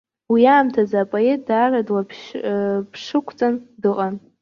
Уи аамҭазы апоет даара длаԥшықәҵан дыҟан.